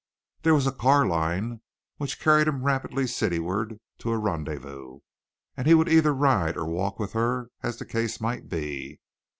There was a car line which carried him rapidly cityward to a rendezvous, and he would either ride or walk with her as the case might be.